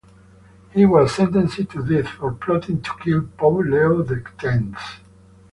He was sentenced to death for plotting to kill Pope Leo the Tenth.